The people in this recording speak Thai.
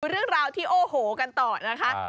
เรื่องราวที่โอ้โหกันต่อนะคะ